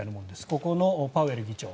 ここのパウエル議長。